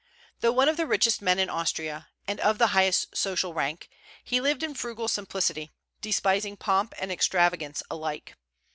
Though one of the richest men in Austria, and of the highest social rank, he lived in frugal simplicity, despising pomp and extravagance alike.